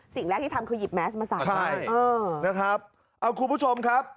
สิ่งแรกที่ทำคือหยิบแมสมาใส่ใช่เออนะครับเอาคุณผู้ชมครับ